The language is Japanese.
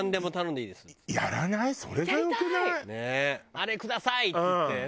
「あれください！」って言ってね。